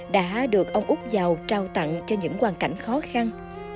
đã được ông úc giàu trao tặng cho những hoàn cảnh khó khăn